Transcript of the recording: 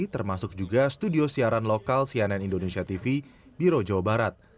termasuk juga studio siaran lokal cnn indonesia tv biro jawa barat